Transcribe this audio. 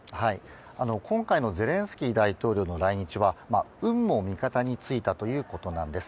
今回のゼレンスキー大統領の来日は運も味方に付いたということなんです。